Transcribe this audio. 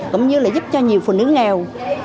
cũng như là giúp cho nhiều phụ nữ nghèo